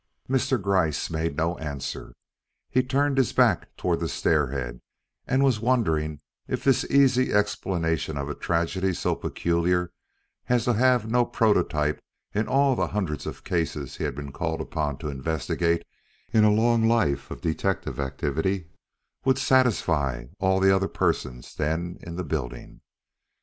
Mr. Gryce made no answer. He had turned his back toward the stair head and was wondering if this easy explanation of a tragedy so peculiar as to have no prototype in all of the hundreds of cases he had been called upon to investigate in a long life of detective activity would satisfy all the other persons then in the building.